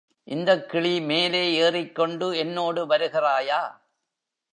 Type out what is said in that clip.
இந்தக் கிளி மேலே ஏறிக்கொண்டு என்னோடு வருகிறாயா?